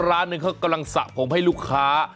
ร้านหนึ่งเขากำลังสระผมให้ลูกค้า